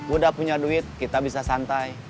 udah punya duit kita bisa santai